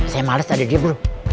saya males tadi dia blu